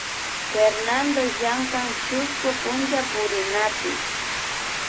Fernando llankan chusku punchapurinapi